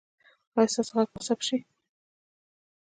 ایا ستاسو غږ به ثبت شي؟